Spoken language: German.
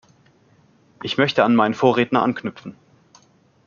Ich möchte an meinen Vorredner anknüpfen.